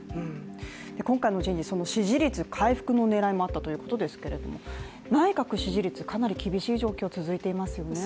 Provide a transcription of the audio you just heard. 今回の人事、支持率回復の狙いもあったということですけれども内閣支持率、かなり厳しい状況続いていますよね。